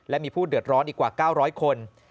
และมีผู้เดือดร้อนอีกกว่า๙๐๐คน